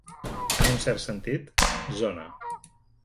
En un cert sentit, zona.